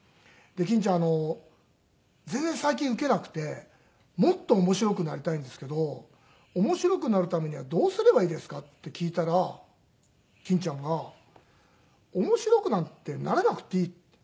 「欽ちゃん全然最近ウケなくてもっと面白くなりたいんですけど面白くなるためにはどうすればいいですか？」って聞いたら欽ちゃんが「面白くなんてならなくていい」